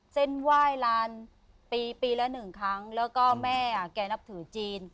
เส้นไหว้ลานปีปีละหนึ่งครั้งแล้วก็แม่แกนับถือจีน